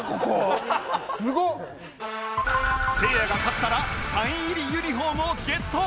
せいやが勝ったらサイン入りユニフォームをゲット